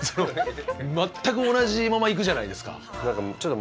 全く同じままいくじゃないですか。